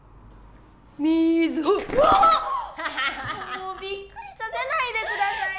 もうびっくりさせないでくださいよ！